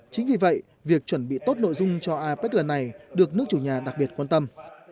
chính vì vậy việc chuẩn bị tốt nội dung cho apec lần này được nước chủ nhà đặc biệt quan tâm